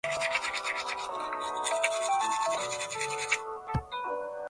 学校でたくさん友達ができました。